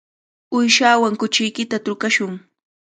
Uyshaawan kuchiykita trukashun.